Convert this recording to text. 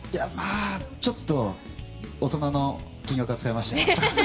ちょっと大人の金額は使いましたね。